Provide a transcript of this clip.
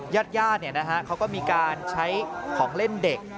ญาติญาติเขาก็มีการใช้ของเล่นเด็ก